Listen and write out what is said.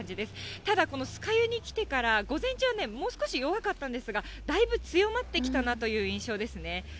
ただ、この酸ヶ湯に来てから、午前中はもう少し弱かったんですが、だいぶ強まってきたなという印象ですね。